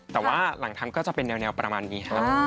แต่ว่าหลังทำก็จะเป็นแนวประมาณนี้ครับ